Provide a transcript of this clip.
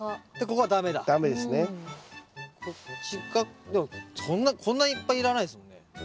こっちかでもこんないっぱいいらないですもんね。